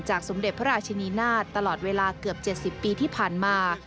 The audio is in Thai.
สมเด็จพระราชินีนาฏตลอดเวลาเกือบ๗๐ปีที่ผ่านมา